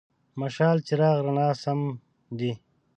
مشال: څراغ، رڼا سم دی.